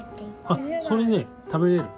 あっそれね食べれる。